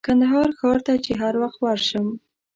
کندهار ښار ته چې هر وخت ورشم.